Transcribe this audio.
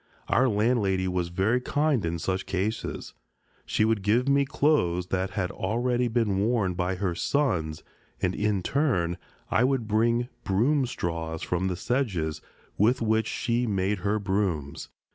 Our landlady was very kind in such cases. She would give me clothes that had already been worn by her sons, and in turn I would bring broom straw from the sedges, with which she made her brooms.